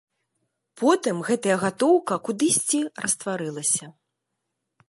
Потым гэтая гатоўка кудысьці растварылася.